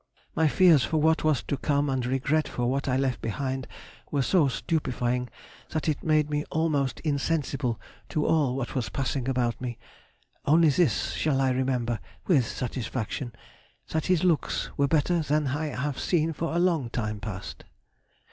My fears for what was to come and regret for what I left behind were so stupifying that it made me almost insensible to all what was passing about me, only this I shall remember, with satisfaction, that his looks were better than I have seen for a long time past.